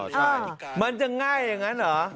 ใช่มันจะง่ายอย่างนั้นเหรอ